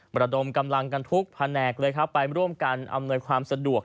มรดมกำลังกันทุกข์พนักไปร่วมกันอำนวยความสะดวก